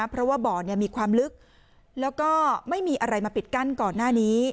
เพราะว่าบ่อมีความลึกแล้วก็ไม่มีอะไรมาปิดกั้นก่อนหน้านี้